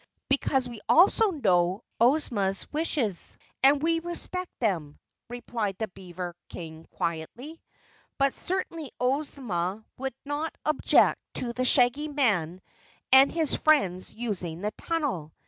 "Because we also know Ozma's wishes, and we respect them," replied the beaver King quietly. "But certainly Ozma would not object to the Shaggy Man and his friends using the tunnel.